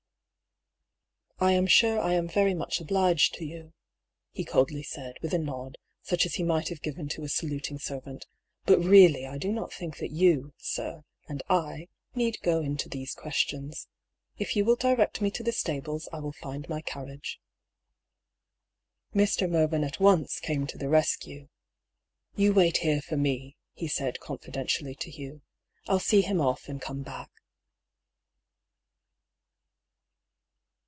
*' I am sure I am very much obliged to you," he 8 108 I>R. PAULL'S THEORY. coldly said, with a nod snch as he might have given to a saluting servant ;" but really I do not think that you, sir, and I need go into these questions. If you will direct me to the stables, I will find my car riage." Mr. Mervyn at once came to the rescue. " You wait here for me," he said confidentially to Hugh. " I'll see him off, and come back."